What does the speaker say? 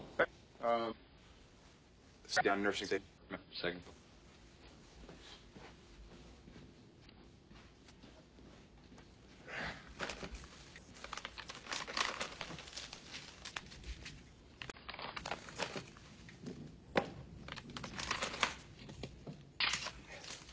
ああ。